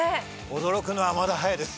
驚くのはまだ早いです。